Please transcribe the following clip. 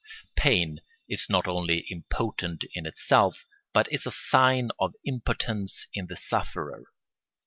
Pain is not only impotent in itself but is a sign of impotence in the sufferer.